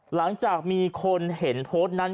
หลังจากมีคนเห็นโพสต์นั้น